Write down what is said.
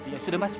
ya sudah mas